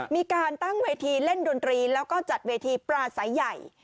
มีการตั้งเวทีเล่นดนตรีแล้วก็จัดเวทีปราศัยใหญ่